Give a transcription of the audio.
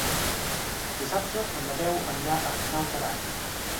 Dissabte en Mateu anirà a Naut Aran.